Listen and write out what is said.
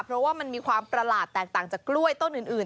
เพราะว่ามันมีความประหลาดแตกต่างจากกล้วยต้นอื่น